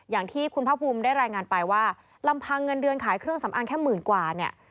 อย่างที่คุณภาคภูมิได้รายงานไปว่าลำพังเงินเดือนขายเครื่องสำอางแค่หมื่นกว่าเนี่ย